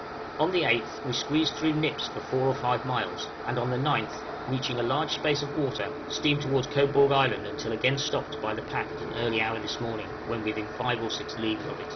On the 8th we squeezed through nips for 4 or 5 miles, and on the 9th, reaching a large space of water, steamed towards Cobourg Island until again stopped by the pack at an early hour this morning, when within 5 or 6 leagues of it.